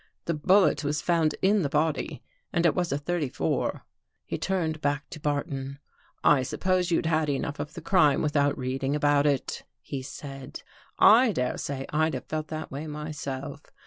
The bullet was found in the body and it was a thirty four." He turned back to Barton. " I suppose you'd had enough of the crime without reading about it," he said. " I dare say I'd have felt that way my self.